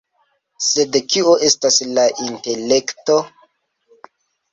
Sed kio estas la intelekto?